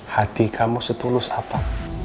hati kamu setulus apa